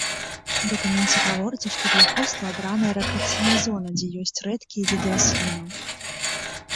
У дакуменце гаворыцца, што для фэсту абраная рэкрэацыйная зона, дзе ёсць рэдкія віды раслінаў.